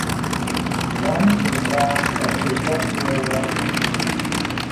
One is lack of perceptual roughness.